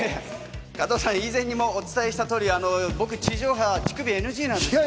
加藤さん、以前にもお伝えした通り、僕、地上波乳首ＮＧなんです。